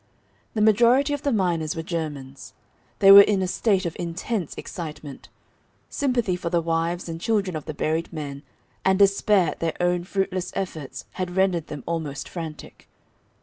The majority of the miners were Germans. They were in a state of intense excitement. Sympathy for the wives and children of the buried men, and despair at their own fruitless efforts, had rendered them almost frantic.